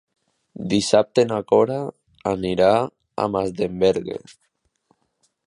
Dissabte na Cora anirà a Masdenverge.